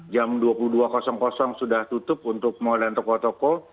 jam dua puluh dua sudah tutup untuk mal dan toko toko